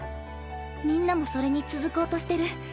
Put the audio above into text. みんなもそれに続こうとしてる。